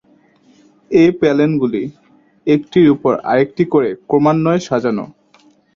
এ প্যানেলগুলি একটির উপর আরেকটি করে ক্রমান্বয়ে সাজানো।